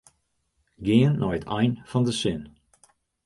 Gean nei it ein fan de sin.